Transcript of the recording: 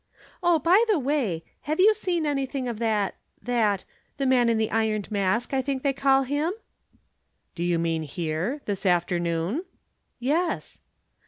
"Oh, by the way, have you seen anything of that that the man in the Ironed Mask, I think they call him?" "Do you mean here this afternoon?" "Yes."